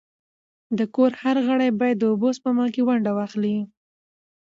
د کور هر غړی باید د اوبو سپما کي ونډه واخلي.